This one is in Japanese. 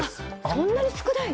そんなに少ないの？